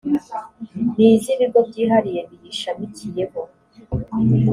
n iz ibigo byihariye biyishamikiyeho